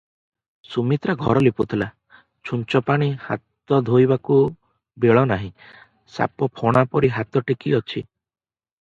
ସୁମିତ୍ରାଘର ଲିପୁଥିଲା, ଛୂଞ୍ଚ ପାଣି ହାତ ଧୋଇବାକୁ ବେଳନାହିଁ, ସାପ ଫଣା ପରି ହାତଟି ଟେକିଅଛି ।